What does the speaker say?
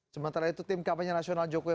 sementara itu tim kpnj jokowi